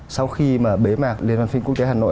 sau khi mà bế mạc liên hoan phim quốc tế hà nội